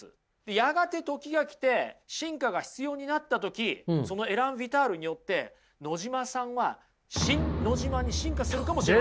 やがて時が来て進化が必要になった時そのエラン・ヴィタールによって野島さんはシン・ノジマに進化するかもしれません。